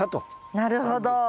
なるほど。